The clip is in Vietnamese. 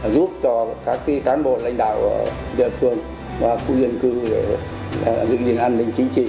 giúp cho các cán bộ lãnh đạo địa phương và khu dân cư để giữ gìn an ninh chính trị